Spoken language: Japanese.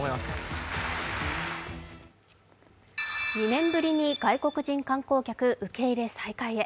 ２年ぶりに外国人観光客受け入れ再開へ。